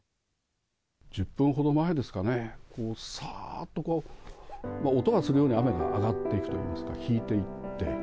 １０分ほど前ですかね、さーっと音がするように雨が上がっていくといいますか、引いていって。